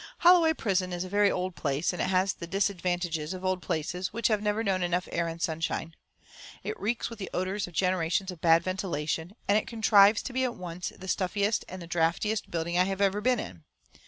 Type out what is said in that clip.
Holloway Prison is a very old place, and it has the disadvantages of old places which have never known enough air and sunshine. It reeks with the odours of generations of bad ventilation, and it contrives to be at once the stuffiest and the draughtiest building I have ever been in.